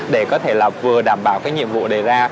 để có thể là vừa đảm bảo cái nhiệm vụ đề ra